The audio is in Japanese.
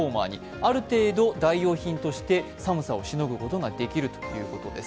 ある程度代用品として寒さをしのげるということです。